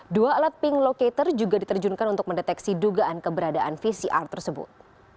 dua alat ping locator juga diterjunkan untuk mendeteksi dugaan keberadaan pcr tersebut